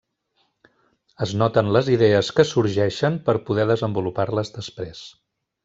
Es noten les idees que sorgeixen per poder desenvolupar-les després.